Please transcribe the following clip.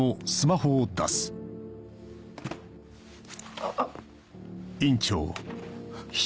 あっ。